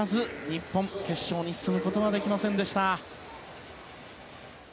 日本、決勝に進むことはできませんでした。